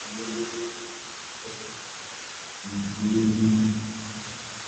গ্রীষ্মে, সূর্য ছয় মাসের জন্য অস্ত যায় না।